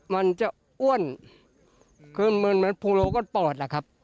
มันจะอ้วนเหมือนพรงโลกมันปลอด